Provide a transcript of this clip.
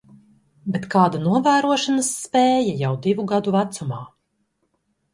Bet kāda novērošanas spēja jau divu gadu vecumā!